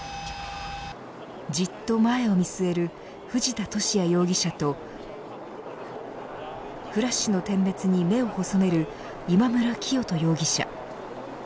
じっと前を見据える藤田聖也容疑者とフラッシュの点滅に目を細める今村磨人容疑者。